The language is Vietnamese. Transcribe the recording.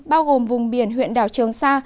bao gồm vùng biển huyện đảo trường sa